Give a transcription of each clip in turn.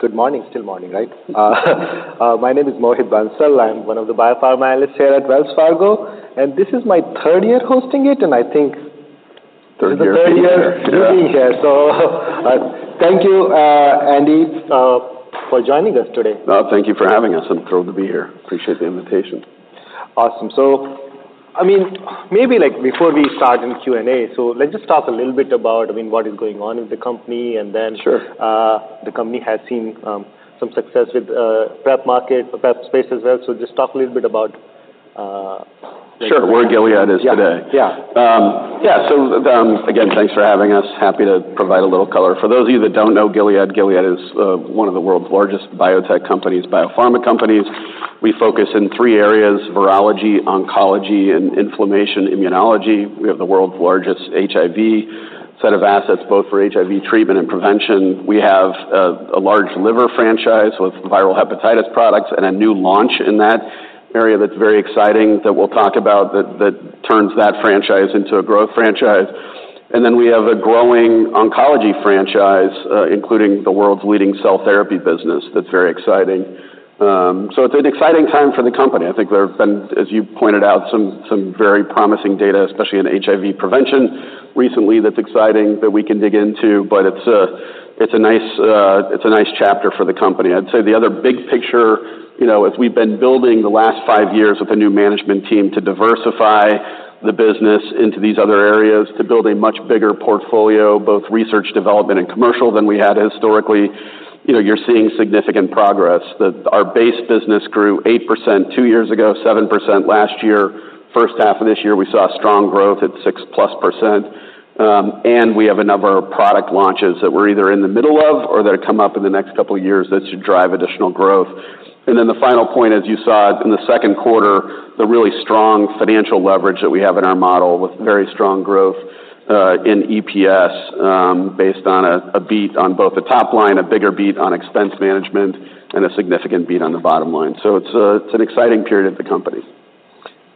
Good morning. Still morning, right? My name is Mohit Bansal. I'm one of the biopharma analysts here at Wells Fargo, and this is my third year hosting it, and I think- Third year. third year you being here. So, thank you, Andy, for joining us today. Thank you for having us. I'm thrilled to be here. Appreciate the invitation. Awesome. So, I mean, maybe, like, before we start in Q&A, so let's just talk a little bit about, I mean, what is going on in the company, and then- Sure. the company has seen some success with PrEP market, PrEP space as well. So just talk a little bit about Sure, where Gilead is today. Yeah. Yeah. Yeah, so, again, thanks for having us. Happy to provide a little color. For those of you that don't know Gilead, Gilead is one of the world's largest biotech companies, biopharma companies. We focus in three areas: virology, oncology, and inflammation immunology. We have the world's largest HIV set of assets, both for HIV treatment and prevention. We have a large liver franchise with viral hepatitis products and a new launch in that area that's very exciting, that we'll talk about that turns that franchise into a growth franchise. Then we have a growing oncology franchise, including the world's leading cell therapy business. That's very exciting, so it's an exciting time for the company. I think there have been, as you pointed out, some very promising data, especially in HIV prevention recently, that's exciting, that we can dig into, but it's a nice chapter for the company. I'd say the other big picture, you know, as we've been building the last five years with a new management team to diversify the business into these other areas, to build a much bigger portfolio, both research development and commercial, than we had historically, you know, you're seeing significant progress. That our base business grew 8% two years ago, 7% last year. First half of this year, we saw strong growth at 6% plus, and we have a number of product launches that we're either in the middle of or that come up in the next couple of years that should drive additional growth. And then the final point, as you saw in the second quarter, the really strong financial leverage that we have in our model, with very strong growth in EPS, based on a beat on both the top line, a bigger beat on expense management, and a significant beat on the bottom line. So it's an exciting period at the company.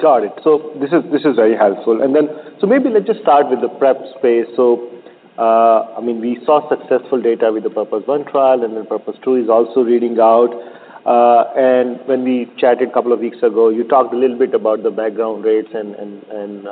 Got it. So this is very helpful. And then, so maybe let's just start with the PrEP space. So, I mean, we saw successful data with the PURPOSE 1 trial, and then PURPOSE 2 is also reading out. And when we chatted a couple of weeks ago, you talked a little bit about the background rates and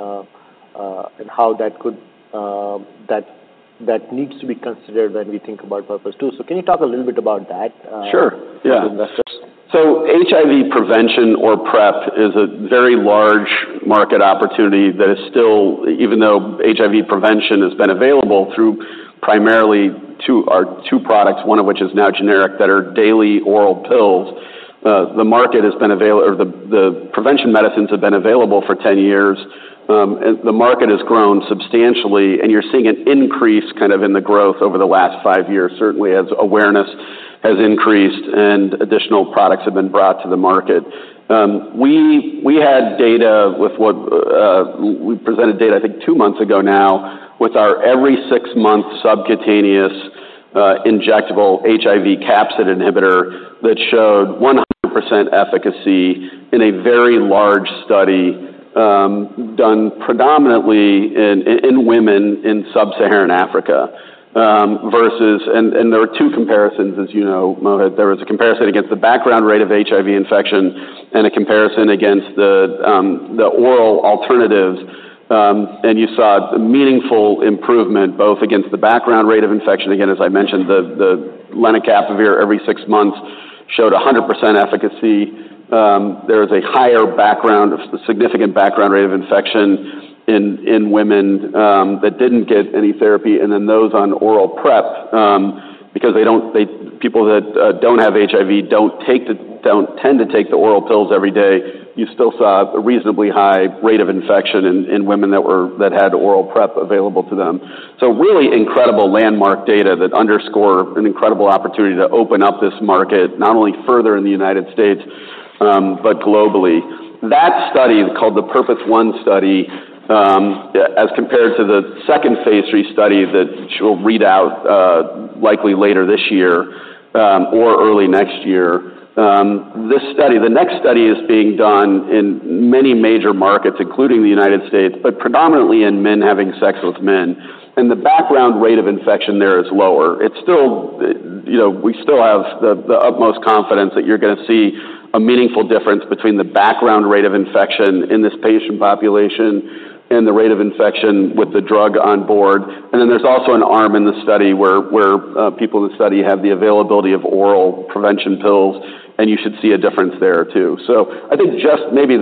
how that could... that needs to be considered when we think about PURPOSE 2. So can you talk a little bit about that? Sure. Yeah. for the investors? So HIV prevention, or PrEP, is a very large market opportunity that is still, even though HIV prevention has been available through primarily two, our two products, one of which is now generic, that are daily oral pills, the market has been available or the, the prevention medicines have been available for 10 years. And the market has grown substantially, and you're seeing an increase kind of in the growth over the last 5 years, certainly as awareness has increased and additional products have been brought to the market. We presented data, I think, 2 months ago now, with our every 6-month subcutaneous, injectable HIV capsid inhibitor that showed 100% efficacy in a very large study, done predominantly in women in sub-Saharan Africa, versus. And there were two comparisons, as you know, Mohit. There was a comparison against the background rate of HIV infection and a comparison against the oral alternatives. You saw a meaningful improvement, both against the background rate of infection. Again, as I mentioned, the lenacapavir every six months showed 100% efficacy. There is a higher background, a significant background rate of infection in women that didn't get any therapy, and then those on oral PrEP, because people that don't have HIV don't tend to take the oral pills every day. You still saw a reasonably high rate of infection in women that had oral PrEP available to them. So really incredible landmark data that underscore an incredible opportunity to open up this market, not only further in the United States, but globally. That study, called the Purpose 1 study, as compared to the second phase III study that she'll read out, likely later this year, or early next year. This study, the next study is being done in many major markets, including the United States, but predominantly in men having sex with men, and the background rate of infection there is lower. It's still, you know, we still have the utmost confidence that you're gonna see a meaningful difference between the background rate of infection in this patient population and the rate of infection with the drug on board. And then there's also an arm in the study where people in the study have the availability of oral prevention pills, and you should see a difference there, too. So I think just maybe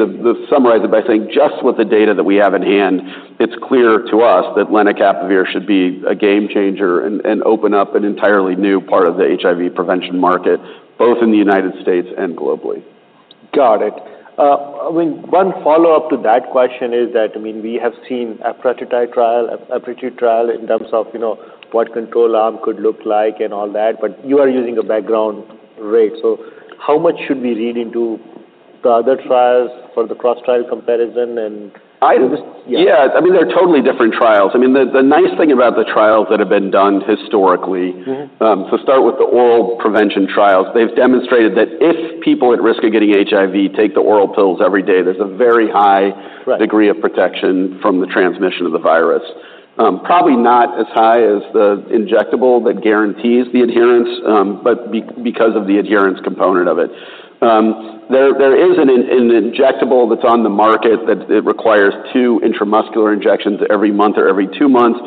summarize it by saying, just with the data that we have in hand, it's clear to us that lenacapavir should be a game changer and open up an entirely new part of the HIV prevention market, both in the United States and globally. Got it. I mean, one follow-up to that question is that, I mean, we have seen equivalance trial in terms of, you know, what control arm could look like and all that, but you are using a background rate. So how much should we read into the other trials for the cross-trial comparison and- I- Yeah. Yeah. I mean, they're totally different trials. I mean, the nice thing about the trials that have been done historically- Mm-hmm. So start with the oral prevention trials. They've demonstrated that if people at risk of getting HIV take the oral pills every day, there's a very high- Right... degree of protection from the transmission of the virus. Probably not as high as the injectable that guarantees the adherence, but because of the adherence component of it. There is an injectable that's on the market, that it requires two intramuscular injections every month or every two months.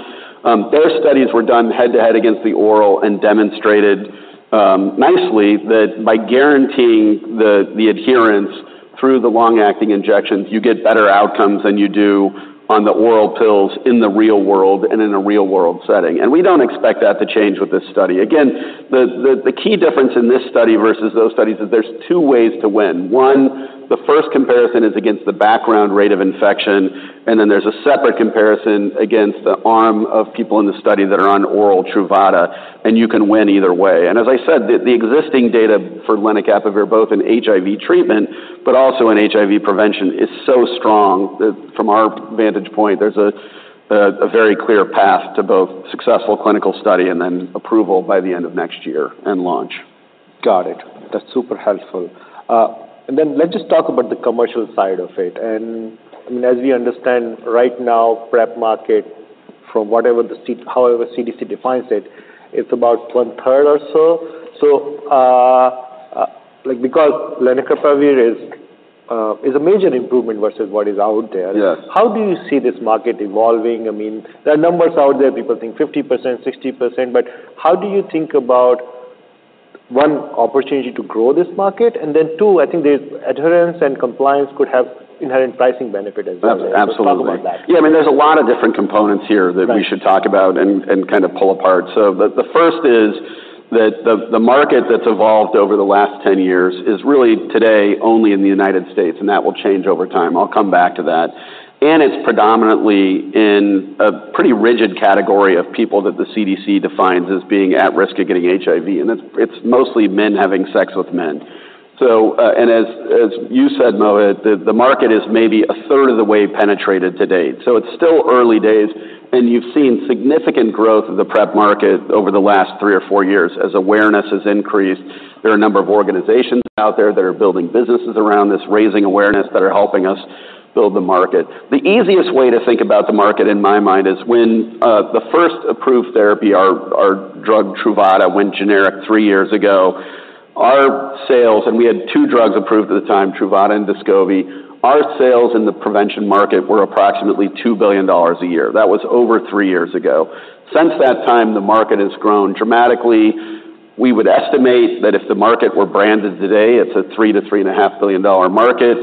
Their studies were done head-to-head against the oral and demonstrated nicely that by guaranteeing the adherence through the long-acting injections, you get better outcomes than you do on the oral pills in the real world and in a real-world setting. And we don't expect that to change with this study. Again, the key difference in this study versus those studies is there's two ways to win. One, the first comparison is against the background rate of infection, and then there's a separate comparison against the arm of people in the study that are on oral Truvada, and you can win either way. And as I said, the existing data for lenacapavir, both in HIV treatment but also in HIV prevention, is so strong that from our vantage point, there's a very clear path to both successful clinical study and then approval by the end of next year, and launch. Got it. That's super helpful. And then let's just talk about the commercial side of it. And, I mean, as we understand, right now, PrEP market, from whatever the CDC, however, defines it, it's about one third or so. So, like, because lenacapavir is a major improvement versus what is out there- Yes. How do you see this market evolving? I mean, there are numbers out there, people think 50%, 60%, but how do you think about, one, opportunity to grow this market, and then two, I think the adherence and compliance could have inherent pricing benefit as well. Absolutely. Talk about that. Yeah, I mean, there's a lot of different components here. Right... that we should talk about and, and kind of pull apart. So the, the first is that the, the market that's evolved over the last 10 years is really today only in the United States, and that will change over time. I'll come back to that. And it's predominantly in a pretty rigid category of people that the CDC defines as being at risk of getting HIV, and it's, it's mostly men having sex with men. So, and as, as you said, Mohit, the, the market is maybe a third of the way penetrated to date. So it's still early days, and you've seen significant growth of the PrEP market over the last three or four years as awareness has increased. There are a number of organizations out there that are building businesses around this, raising awareness, that are helping us build the market. The easiest way to think about the market, in my mind, is when the first approved therapy, our drug, Truvada, went generic three years ago, our sales, and we had two drugs approved at the time, Truvada and Descovy. Our sales in the prevention market were approximately $2 billion a year. That was over three years ago. Since that time, the market has grown dramatically. We would estimate that if the market were branded today, it's a $3-$3.5 billion market.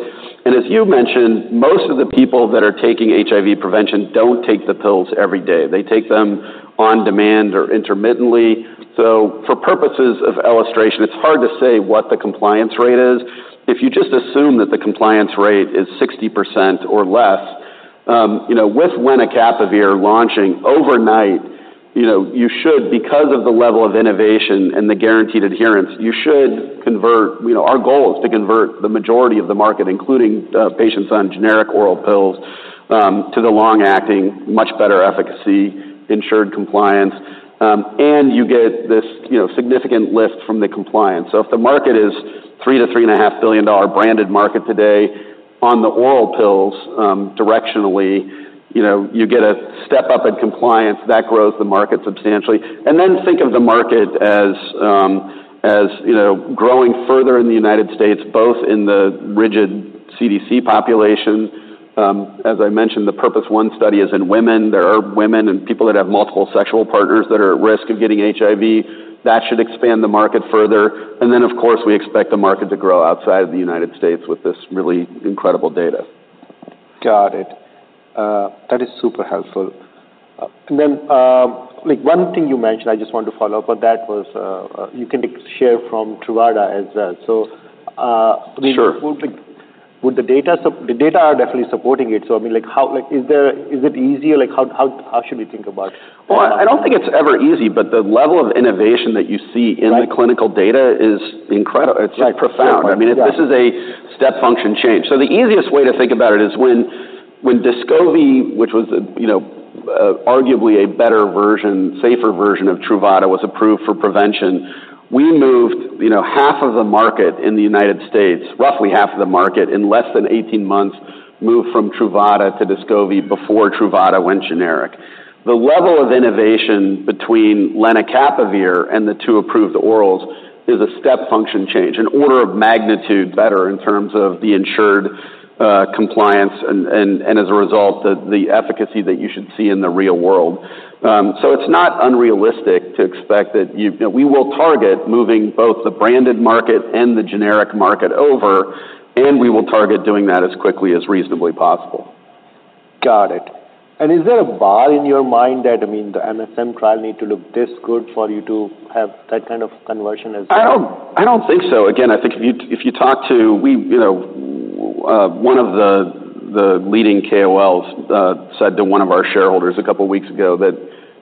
And as you mentioned, most of the people that are taking HIV prevention don't take the pills every day. They take them on demand or intermittently, so for purposes of illustration, it's hard to say what the compliance rate is. If you just assume that the compliance rate is 60% or less, you know, with lenacapavir launching overnight, you know, you should, because of the level of innovation and the guaranteed adherence, you should convert. You know, our goal is to convert the majority of the market, including, patients on generic oral pills, to the long-acting, much better efficacy, insured compliance, and you get this, you know, significant lift from the compliance. So if the market is $3-$3.5 billion branded market today on the oral pills, directionally, you know, you get a step up in compliance, that grows the market substantially. Then think of the market as, you know, growing further in the United States, both in the at-risk CDC population. As I mentioned, the PURPOSE 1 study is in women. There are women and people that have multiple sexual partners that are at risk of getting HIV. That should expand the market further, and then, of course, we expect the market to grow outside of the United States with this really incredible data. Got it. That is super helpful, and then, like one thing you mentioned, I just want to follow up on that, was, you can share from Truvada as well. So, Sure. The data are definitely supporting it. So, I mean, like, how... Like, is it easy? Like, how should we think about it? I don't think it's ever easy, but the level of innovation that you see- Right... in the clinical data is incredible. Right. It's profound. Right. I mean, this is a step function change. So the easiest way to think about it is when Descovy, which was, you know, arguably a better version, safer version of Truvada, was approved for prevention, we moved, you know, half of the market in the United States, roughly half of the market, in less than eighteen months, moved from Truvada to Descovy before Truvada went generic. The level of innovation between lenacapavir and the two approved orals is a step function change, an order of magnitude better in terms of the insured, compliance and as a result, the efficacy that you should see in the real world. So it's not unrealistic to expect that you... We will target moving both the branded market and the generic market over, and we will target doing that as quickly as reasonably possible. Got it. And is there a bar in your mind that, I mean, the MSM trial need to look this good for you to have that kind of conversion as well? I don't think so. Again, I think if you talk to, you know, one of the leading KOLs said to one of our shareholders a couple weeks ago that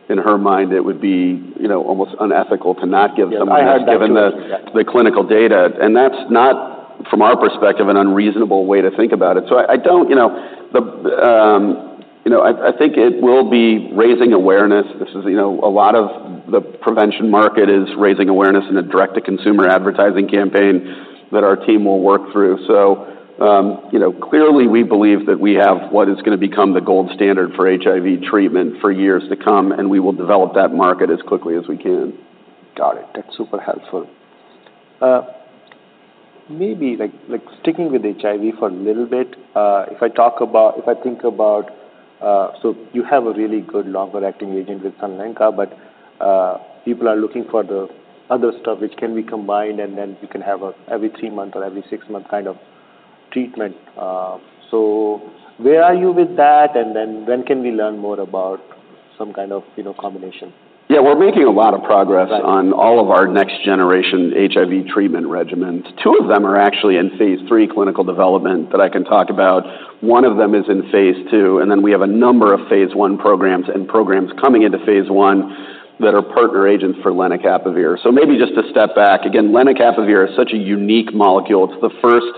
in her mind, it would be, you know, almost unethical to not give someone- I heard that.... given the clinical data. And that's not, from our perspective, an unreasonable way to think about it. So I don't, you know, you know, I think it will be raising awareness. This is, you know, a lot of the prevention market is raising awareness in a direct-to-consumer advertising campaign that our team will work through. So, you know, clearly, we believe that we have what is gonna become the gold standard for HIV treatment for years to come, and we will develop that market as quickly as we can. Got it. That's super helpful. Maybe like, like sticking with HIV for a little bit, if I think about, so you have a really good longer-acting agent with lenacapavir, but, people are looking for the other stuff which can be combined, and then you can have a every three month or every six month kind of treatment. So where are you with that? And then when can we learn more about some kind of, you know, combination? Yeah, we're making a lot of progress- Right. On all of our next generation HIV treatment regimens. Two of them are actually in phase three clinical development that I can talk about. One of them is in phase two, and then we have a number of phase one programs and programs coming into phase one that are partner agents for lenacapavir. So maybe just to step back, again, lenacapavir is such a unique molecule. It's the first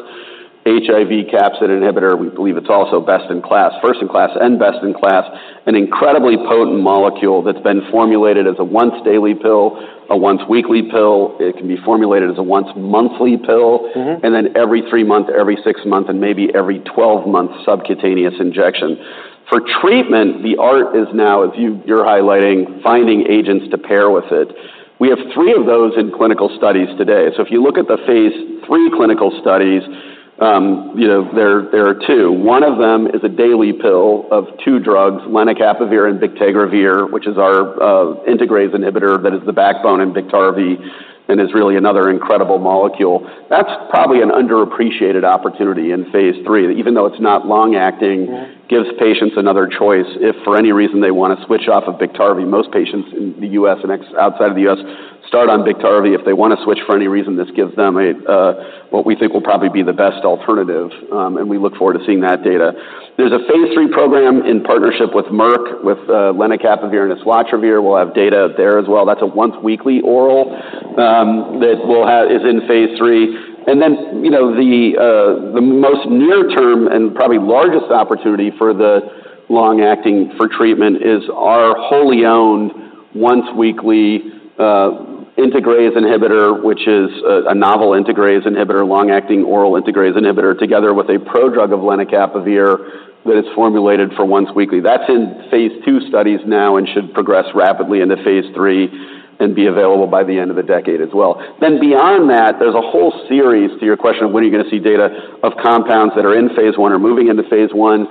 HIV capsid inhibitor. We believe it's also best in class, first in class and best in class, an incredibly potent molecule that's been formulated as a once daily pill, a once weekly pill. It can be formulated as a once monthly pill. Mm-hmm. And then every three month, every six month, and maybe every twelve month subcutaneous injection. For treatment, the art is now, as you, you're highlighting, finding agents to pair with it. We have three of those in clinical studies today. So if you look at the phase three clinical studies, you know, there, there are two. One of them is a daily pill of two drugs, lenacapavir and Bictegravir, which is our integrase inhibitor that is the backbone in Biktarvy and is really another incredible molecule. That's probably an underappreciated opportunity in phase three, that even though it's not long acting- Yeah Gives patients another choice, if for any reason they want to switch off of Biktarvy. Most patients in the U.S. and outside of the U.S. start on Biktarvy. If they want to switch for any reason, this gives them a what we think will probably be the best alternative, and we look forward to seeing that data. There's a phase three program in partnership with Merck, with lenacapavir and islatravir. We'll have data out there as well. That's a once weekly oral that we'll have. Is in phase three. And then, you know, the most near term and probably largest opportunity for the long-acting for treatment is our wholly owned once weekly integrase inhibitor, which is a novel integrase inhibitor, long-acting oral integrase inhibitor, together with a prodrug of lenacapavir that is formulated for once weekly. That's in phase two studies now and should progress rapidly into phase three and be available by the end of the decade as well. Then beyond that, there's a whole series to your question of when are you gonna see data of compounds that are in phase one or moving into phase one.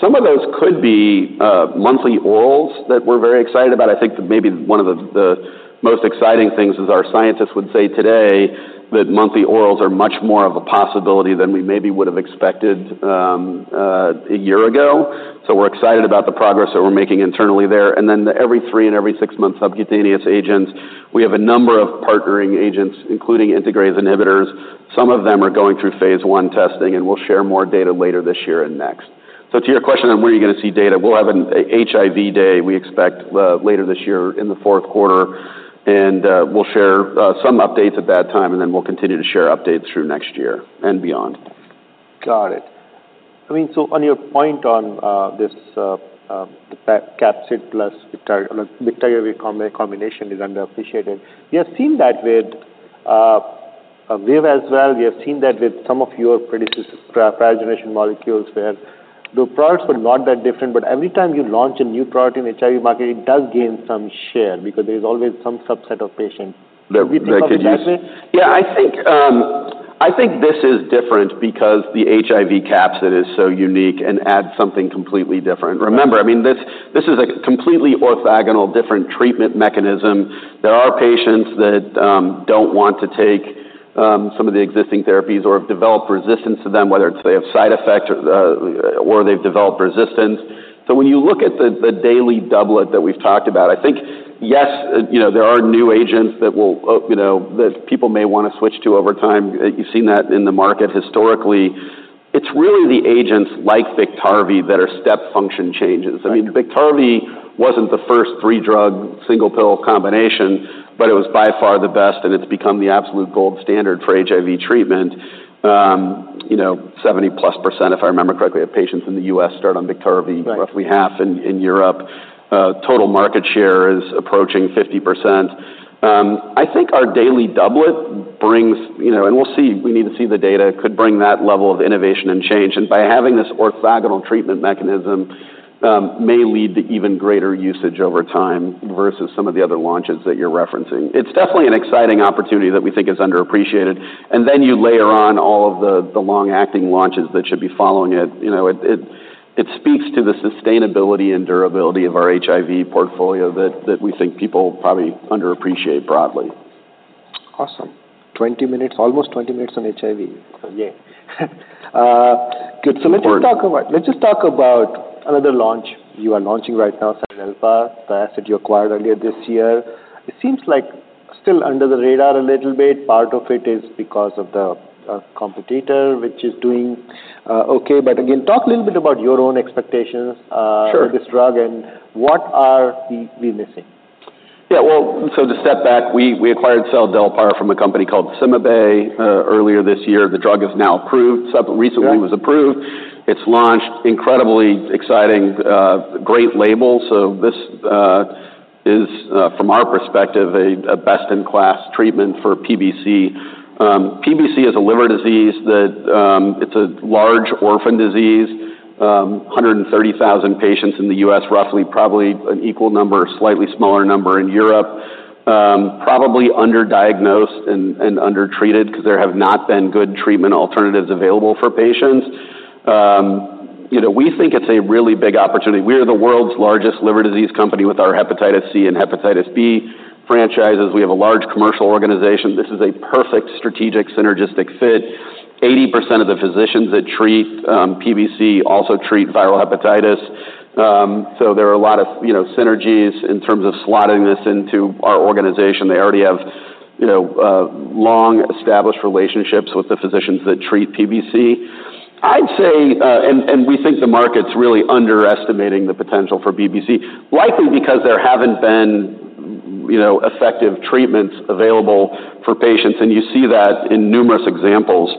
Some of those could be monthly orals that we're very excited about. I think that maybe one of the most exciting things, as our scientists would say today, that monthly orals are much more of a possibility than we maybe would have expected a year ago. So we're excited about the progress that we're making internally there. And then the every three and every six month subcutaneous agents, we have a number of partnering agents, including integrase inhibitors. Some of them are going through phase one testing, and we'll share more data later this year and next. So to your question on when are you gonna see data, we'll have an HIV day, we expect, later this year in the fourth quarter, and we'll share some updates at that time, and then we'll continue to share updates through next year and beyond. Got it. I mean, so on your point on, this, the capsid plus bictegravir combination is underappreciated. We have seen that with, ViiV as well. We have seen that with some of your previous, prior generation molecules, where the products were not that different, but every time you launch a new product in the HIV market, it does gain some share because there is always some subset of patients. That could use- Do you think of it that way? Yeah, I think, I think this is different because the HIV capsid is so unique and adds something completely different. Remember, I mean, this is a completely orthogonal, different treatment mechanism. There are patients that don't want to take some of the existing therapies or have developed resistance to them, whether it's they have side effects or they've developed resistance. So when you look at the daily doublet that we've talked about, I think, yes, you know, there are new agents that will, you know, that people may want to switch to over time. You've seen that in the market historically. It's really the agents like Biktarvy that are step function changes. Right. I mean, Biktarvy wasn't the first three-drug, single-pill combination, but it was by far the best, and it's become the absolute gold standard for HIV treatment. You know, 70% plus, if I remember correctly, of patients in the US start on Biktarvy. Right. Roughly half in Europe. Total market share is approaching 50%. I think our daily doublet brings, you know. And we'll see. We need to see the data, could bring that level of innovation and change. And by having this orthogonal treatment mechanism, may lead to even greater usage over time versus some of the other launches that you're referencing. It's definitely an exciting opportunity that we think is underappreciated, and then you layer on all of the long-acting launches that should be following it. You know, it speaks to the sustainability and durability of our HIV portfolio that we think people probably underappreciate broadly. Awesome. Twenty minutes, almost twenty minutes on HIV. Yay. Good. Sure. Let's just talk about another launch. You are launching right now, seladelpar, the asset you acquired earlier this year. It seems like still under the radar a little bit. Part of it is because of the competitor, which is doing okay. But again, talk a little bit about your own expectations. Sure... for this drug and what are we missing? Yeah, well, so to step back, we acquired Seladelpar from a company called CymaBay earlier this year. The drug is now approved. So recently- Yeah... it was approved. It's launched, incredibly exciting, great label. So this is from our perspective a best-in-class treatment for PBC. PBC is a liver disease that it's a large orphan disease, 130,000 patients in the U.S., roughly, probably an equal number or slightly smaller number in Europe. Probably underdiagnosed and undertreated, because there have not been good treatment alternatives available for patients. You know, we think it's a really big opportunity. We are the world's largest liver disease company with our hepatitis C and hepatitis B franchises. We have a large commercial organization. This is a perfect strategic synergistic fit. 80% of the physicians that treat PBC also treat viral hepatitis. So there are a lot of, you know, synergies in terms of slotting this into our organization. They already have, you know, long-established relationships with the physicians that treat PBC. I'd say, and we think the market's really underestimating the potential for PBC, likely because there haven't been, you know, effective treatments available for patients, and you see that in numerous examples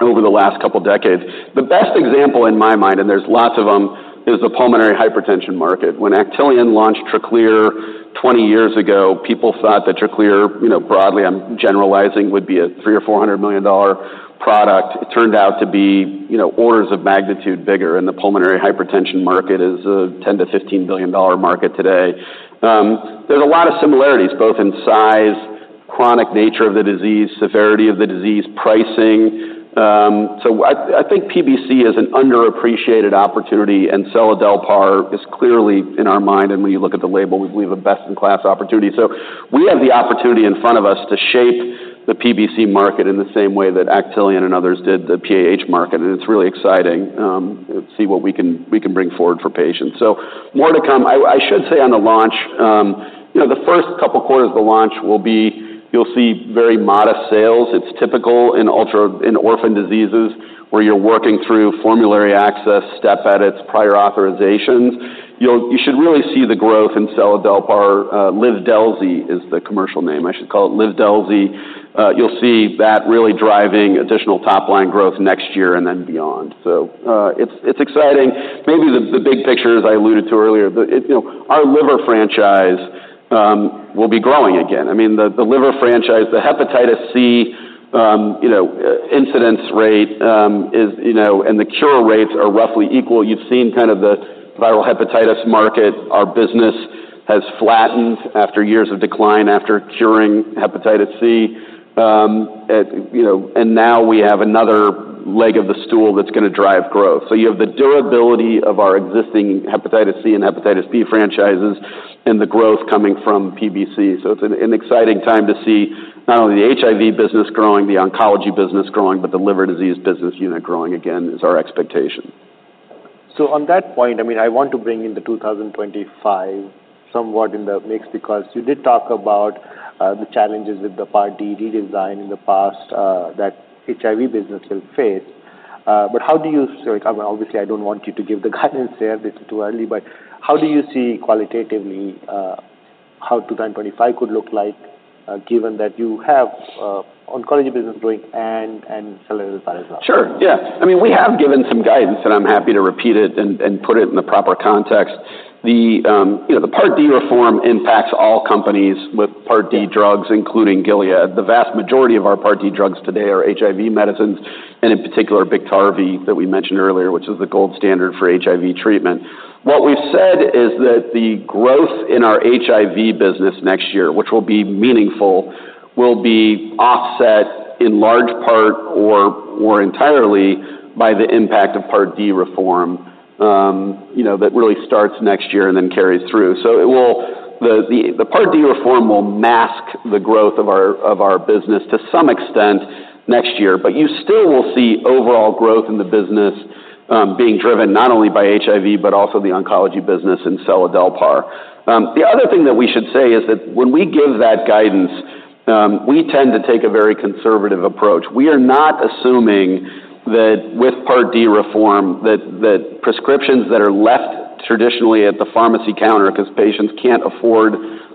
over the last couple decades. The best example, in my mind, and there's lots of them, is the pulmonary hypertension market. When Actelion launched Tracleer twenty years ago, people thought that Tracleer, you know, broadly, I'm generalizing, would be a $300-$400 million product. It turned out to be, you know, orders of magnitude bigger, and the pulmonary hypertension market is a $10-$15 billion market today. There's a lot of similarities, both in size, chronic nature of the disease, severity of the disease, pricing. So I think PBC is an underappreciated opportunity, and Seladelpar is clearly, in our mind, and when you look at the label, we have a best-in-class opportunity. So we have the opportunity in front of us to shape the PBC market in the same way that Actelion and others did the PAH market, and it's really exciting to see what we can bring forward for patients. So more to come. I should say on the launch, you know, the first couple quarters of the launch will be. You'll see very modest sales. It's typical in ultra-orphan diseases, where you're working through formulary access, step edits, prior authorizations. You should really see the growth in Seladelpar. Livdelzy is the commercial name. I should call it Livdelzy. You'll see that really driving additional top-line growth next year and then beyond. It's exciting. Maybe the big picture, as I alluded to earlier, but you know, our liver franchise will be growing again. I mean, the liver franchise, the hepatitis C, you know, incidence rate is you know, and the cure rates are roughly equal. You've seen kind of the viral hepatitis market. Our business has flattened after years of decline after curing hepatitis C. It you know. And now we have another leg of the stool that's gonna drive growth. You have the durability of our existing hepatitis C and hepatitis B franchises and the growth coming from PBC. It's an exciting time to see not only the HIV business growing, the oncology business growing, but the liver disease business unit growing again is our expectation. So on that point, I mean, I want to bring in the 2025 somewhat in the mix, because you did talk about the challenges with the Part D redesign in the past that HIV business will face. But sorry, obviously, I don't want you to give the guidance there, this is too early. But how do you see qualitatively how 2025 could look like, given that you have oncology business growing and seladelpar as well? Sure, yeah. I mean, we have given some guidance, and I'm happy to repeat it and put it in the proper context. The, you know, the Part D reform impacts all companies with Part D drugs, including Gilead. The vast majority of our Part D drugs today are HIV medicines, and in particular, Biktarvy, that we mentioned earlier, which is the gold standard for HIV treatment. What we've said is that the growth in our HIV business next year, which will be meaningful, will be offset in large part or entirely by the impact of Part D reform, you know, that really starts next year and then carries through. So it will... The Part D reform will mask the growth of our business to some extent next year, but you still will see overall growth in the business, being driven not only by HIV, but also the oncology business and Seladelpar. The other thing that we should say is that when we give that guidance, we tend to take a very conservative approach. We are not assuming that with Part D reform, prescriptions that are left traditionally at the pharmacy counter, because patients can't afford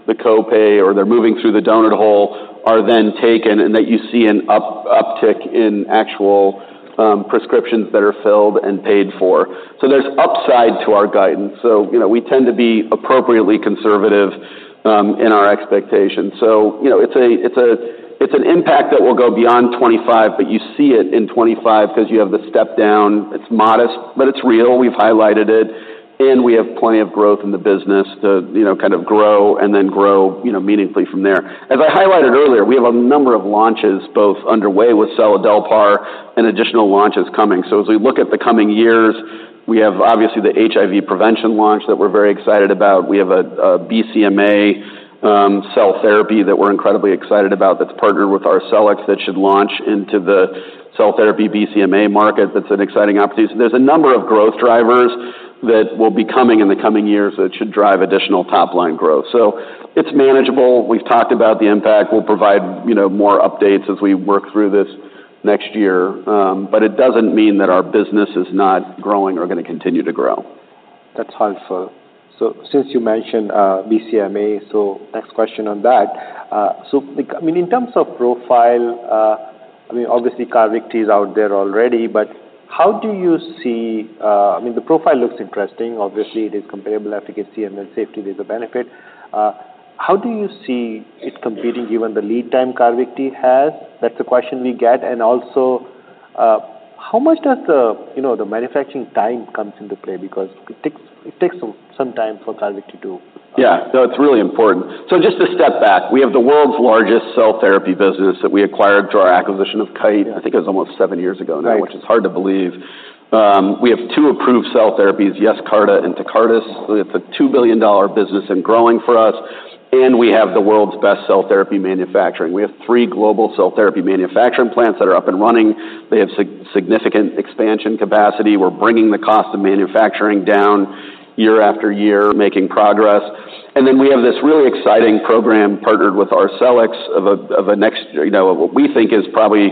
the copay or they're moving through the donut hole, are then taken and that you see an uptick in actual prescriptions that are filled and paid for. So there's upside to our guidance. So, you know, we tend to be appropriately conservative in our expectations. So, you know, it's an impact that will go beyond 2025, but you see it in 2025 because you have the step down. It's modest, but it's real. We've highlighted it, and we have plenty of growth in the business to, you know, kind of grow and then grow, you know, meaningfully from there. As I highlighted earlier, we have a number of launches, both underway with seladelpar and additional launches coming. So as we look at the coming years, we have obviously the HIV prevention launch that we're very excited about. We have a BCMA cell therapy that we're incredibly excited about, that's partnered with Arcellx, that should launch into the cell therapy BCMA market. That's an exciting opportunity. So there's a number of growth drivers that will be coming in the coming years that should drive additional top-line growth. So it's manageable. We've talked about the impact. We'll provide, you know, more updates as we work through this next year, but it doesn't mean that our business is not growing or gonna continue to grow. That's helpful. So since you mentioned BCMA, so next question on that. So, like, I mean, in terms of profile, I mean, obviously, Carvykti is out there already, but how do you see... I mean, the profile looks interesting. Obviously, it is comparable efficacy, and then safety is the benefit. How do you see it competing, given the lead time Carvykti has? That's the question we get. And also, how much does the, you know, the manufacturing time comes into play? Because it takes some time for Carvykti to- Yeah. No, it's really important. So just to step back, we have the world's largest cell therapy business that we acquired through our acquisition of Kite. I think it was almost seven years ago now- Right. -which is hard to believe. We have two approved cell therapies, Yescarta and Tecartus. It's a $2 billion business and growing for us, and we have the world's best cell therapy manufacturing. We have three global cell therapy manufacturing plants that are up and running. They have significant expansion capacity. We're bringing the cost of manufacturing down year after year, making progress. And then we have this really exciting program partnered with Arcellx of a next, you know, what we think is probably,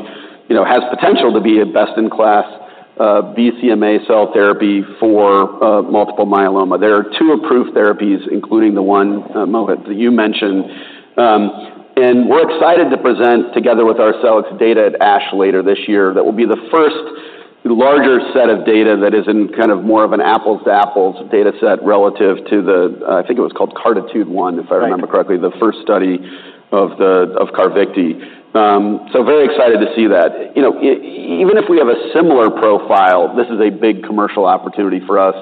you know, has potential to be a best-in-class, BCMA cell therapy for multiple myeloma. There are two approved therapies, including the one, Mohit, that you mentioned. And we're excited to present together with Arcellx data at ASH later this year. That will be the first larger set of data that is in kind of more of an apples-to-apples data set relative to the, I think it was called CARTITUDE-1, if I remember correctly. Right. The first study of Carvykti. So very excited to see that. You know, even if we have a similar profile, this is a big commercial opportunity for us,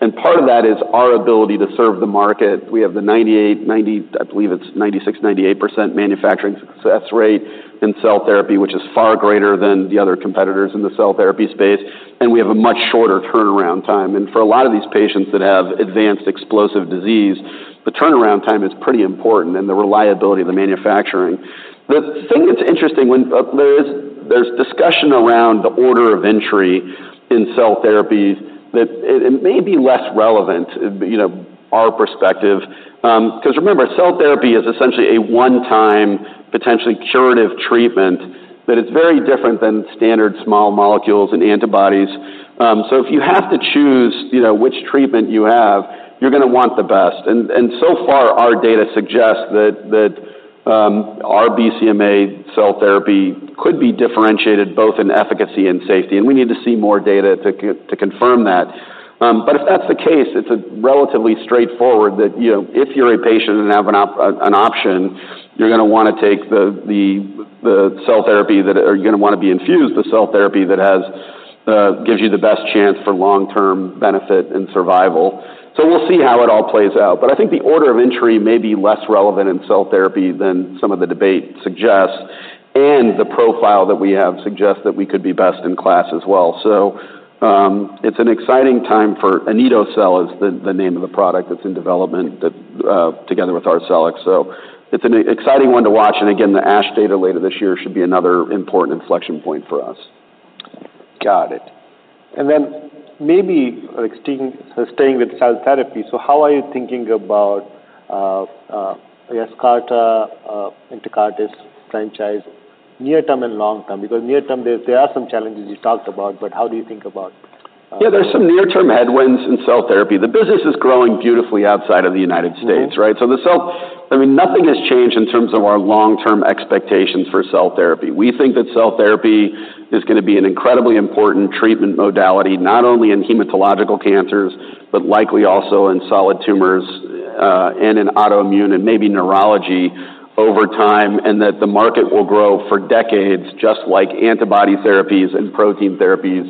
and part of that is our ability to serve the market. We have the 98, 90... I believe it's 96-98% manufacturing success rate in cell therapy, which is far greater than the other competitors in the cell therapy space, and we have a much shorter turnaround time, for a lot of these patients that have advanced aggressive disease, the turnaround time is pretty important and the reliability of the manufacturing. The thing that's interesting when there's discussion around the order of entry in cell therapies, that it may be less relevant, you know, our perspective. 'Cause remember, cell therapy is essentially a one-time, potentially curative treatment that is very different than standard small molecules and antibodies. So if you have to choose, you know, which treatment you have, you're gonna want the best. And so far, our data suggests that our BCMA cell therapy could be differentiated both in efficacy and safety, and we need to see more data to confirm that. But if that's the case, it's a relatively straightforward that, you know, if you're a patient and have an option, you're gonna wanna take the cell therapy that or you're gonna wanna be infused the cell therapy that has gives you the best chance for long-term benefit and survival. So we'll see how it all plays out, but I think the order of entry may be less relevant in cell therapy than some of the debate suggests, and the profile that we have suggests that we could be best in class as well. So, it's an exciting time for... Anito-cel is the name of the product that's in development that, together with Arcellx. So it's an exciting one to watch, and again, the ASH data later this year should be another important inflection point for us. Got it. And then maybe, like, staying with cell therapy, so how are you thinking about Yescarta and Tecartus franchise near term and long term? Because near term, there are some challenges you talked about, but how do you think about, Yeah, there's some near-term headwinds in cell therapy. The business is growing beautifully outside of the United States, right? Mm-hmm. I mean, nothing has changed in terms of our long-term expectations for cell therapy. We think that cell therapy is gonna be an incredibly important treatment modality, not only in hematological cancers, but likely also in solid tumors, and in autoimmune and maybe neurology over time, and that the market will grow for decades, just like antibody therapies and protein therapies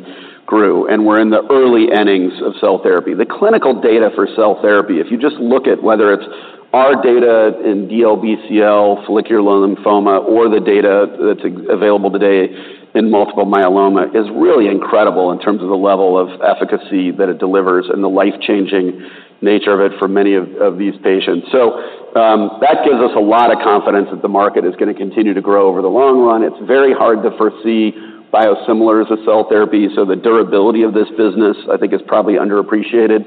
grew, and we're in the early innings of cell therapy. The clinical data for cell therapy, if you just look at whether it's our data in DLBCL, follicular lymphoma, or the data that's available today in multiple myeloma, is really incredible in terms of the level of efficacy that it delivers and the life-changing nature of it for many of these patients. That gives us a lot of confidence that the market is gonna continue to grow over the long run. It's very hard to foresee biosimilars of cell therapy, so the durability of this business, I think, is probably underappreciated.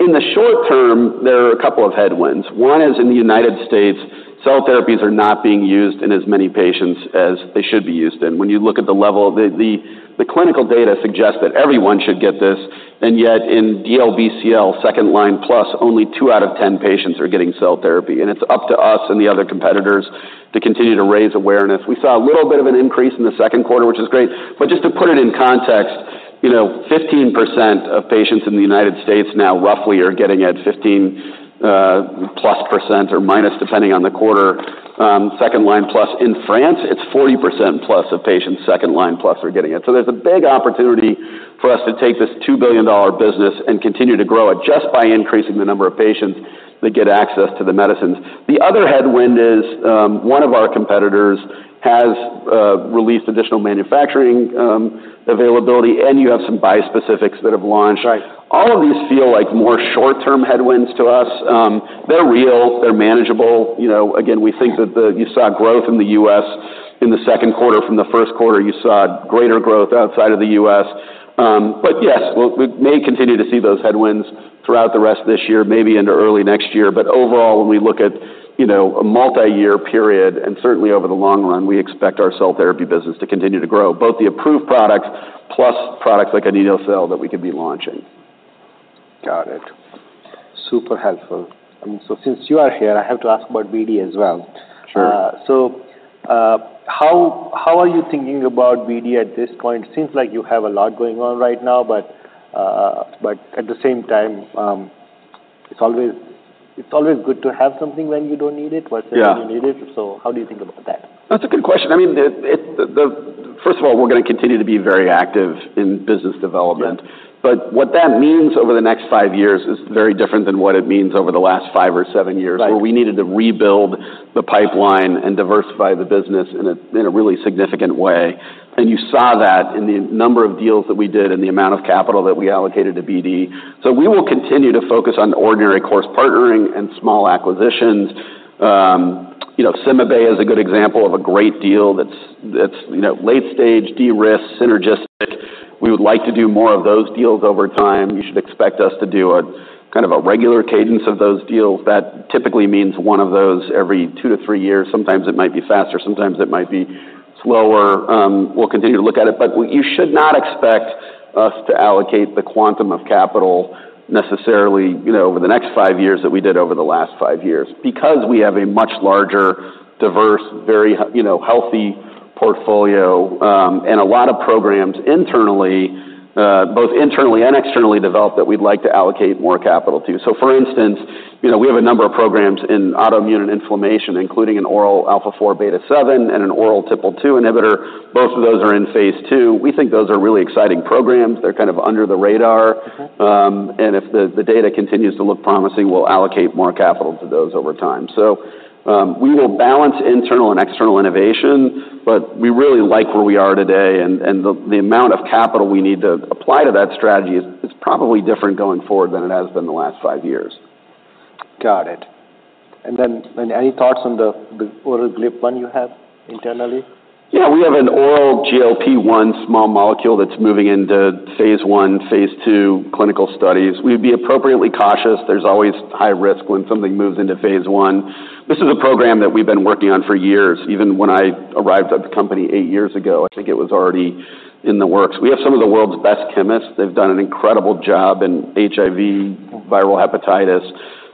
In the short term, there are a couple of headwinds. One is, in the United States, cell therapies are not being used in as many patients as they should be used in. When you look at the level, the clinical data suggests that everyone should get this, and yet in DLBCL, second-line plus, only two out of ten patients are getting cell therapy, and it's up to us and the other competitors to continue to raise awareness. We saw a little bit of an increase in the second quarter, which is great. But just to put it in context, you know, 15% of patients in the United States now roughly are getting it, 15 plus percent or minus, depending on the quarter, second line plus. In France, it's 40% plus of patients second line plus are getting it. So there's a big opportunity for us to take this $2 billion business and continue to grow it just by increasing the number of patients that get access to the medicines. The other headwind is, one of our competitors has released additional manufacturing availability, and you have some bispecifics that have launched. Right. All of these feel like more short-term headwinds to us. They're real, they're manageable. You know, again, we think that. You saw growth in the U.S. in the second quarter. From the first quarter, you saw greater growth outside of the U.S. But yes, we may continue to see those headwinds throughout the rest of this year, maybe into early next year. But overall, when we look at, you know, a multiyear period, and certainly over the long run, we expect our cell therapy business to continue to grow, both the approved products plus products like Anito-cel that we could be launching. Got it. Super helpful. So since you are here, I have to ask about BD as well. Sure. How are you thinking about BD at this point? Seems like you have a lot going on right now, but at the same time,... It's always good to have something when you don't need it versus- Yeah -when you need it. So how do you think about that? That's a good question. I mean, first of all, we're gonna continue to be very active in business development. Yeah. But what that means over the next five years is very different than what it means over the last five or seven years. Right Where we needed to rebuild the pipeline and diversify the business in a really significant way. And you saw that in the number of deals that we did and the amount of capital that we allocated to BD. So we will continue to focus on ordinary course partnering and small acquisitions. You know, CymaBay is a good example of a great deal that's you know, late stage, de-risked, synergistic. We would like to do more of those deals over time. You should expect us to do a kind of a regular cadence of those deals. That typically means one of those every two to three years. Sometimes it might be faster, sometimes it might be slower. We'll continue to look at it, but you should not expect us to allocate the quantum of capital necessarily, you know, over the next five years, that we did over the last five years. Because we have a much larger, diverse, you know, healthy portfolio, and a lot of programs internally, both internally and externally developed, that we'd like to allocate more capital to. So for instance, you know, we have a number of programs in autoimmune and inflammation, including an oral alpha-4 beta-7 and an oral TPL2 inhibitor. Both of those are in phase 2. We think those are really exciting programs. They're kind of under the radar. Okay. And if the data continues to look promising, we'll allocate more capital to those over time. So, we will balance internal and external innovation, but we really like where we are today, and the amount of capital we need to apply to that strategy is probably different going forward than it has been the last five years. Got it. And then any thoughts on the oral GLP-1 you have internally? Yeah, we have an oral GLP-1 small molecule that's moving into phase 1, phase 2 clinical studies. We'd be appropriately cautious. There's always high risk when something moves into phase 1. This is a program that we've been working on for years. Even when I arrived at the company eight years ago, I think it was already in the works. We have some of the world's best chemists. They've done an incredible job in HIV, viral hepatitis,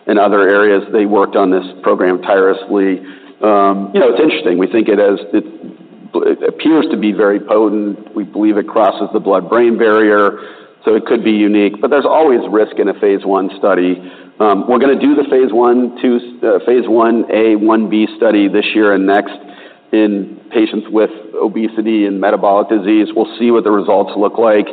and other areas. They worked on this program tirelessly. You know, it's interesting. We think it has... It appears to be very potent. We believe it crosses the blood-brain barrier, so it could be unique, but there's always risk in a phase 1 study. We're gonna do the phase 1, 2, phase 1a, 1b study this year and next in patients with obesity and metabolic disease. We'll see what the results look like,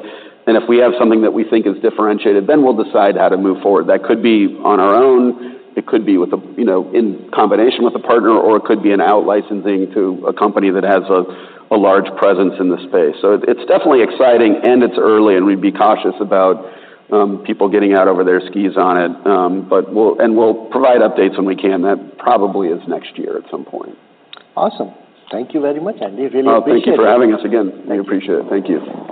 and if we have something that we think is differentiated, then we'll decide how to move forward. That could be on our own. It could be with a, you know, in combination with a partner, or it could be an out-licensing to a company that has a large presence in the space. So it's definitely exciting, and it's early, and we'd be cautious about people getting out over their skis on it, but we'll provide updates when we can. That probably is next year at some point. Awesome. Thank you very much, Andy. Really appreciate it. Oh, thank you for having us again. I appreciate it. Thank you.